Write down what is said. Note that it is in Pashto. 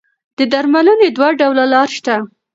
د درملنې دوه ډوله لاره شته.